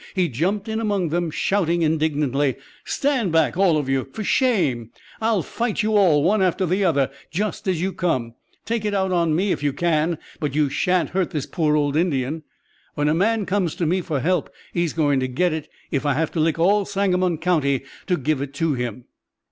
He jumped in among them, shouting indignantly: "Stand back, all of you! For shame! I'll fight you all, one after the other, just as you come. Take it out on me if you can, but you shan't hurt this poor old Indian. When a man comes to me for help, he's going to get it, if I have to lick all Sangamon County to give it to him."